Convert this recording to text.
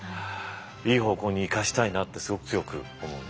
いい方向に生かしたいなってすごく強く思うね。